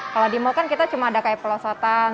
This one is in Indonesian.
kalau di mal kan kita cuma ada kayak pelosotan